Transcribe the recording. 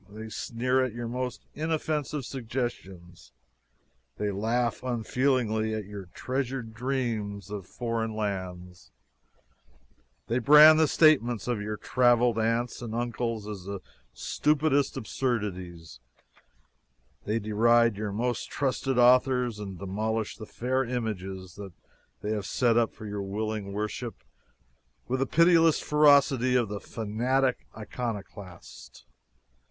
They sneer at your most inoffensive suggestions; they laugh unfeelingly at your treasured dreams of foreign lands; they brand the statements of your traveled aunts and uncles as the stupidest absurdities; they deride your most trusted authors and demolish the fair images they have set up for your willing worship with the pitiless ferocity of the fanatic iconoclast!